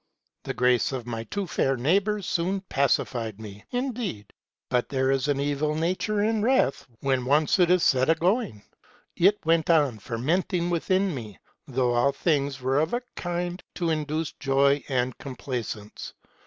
" The grace of my two fair neighbors soon pacified me, but there is an evil nature in wrath when once it is set a go ing. It went on fermenting within me, though all things were of a kind to induce joy and complaisance.